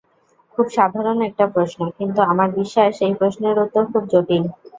খুব সাধারণ একটা প্রশ্ন, কিন্তু আমার বিশ্বাস এই প্রশ্নের উত্তর খুব জটিল।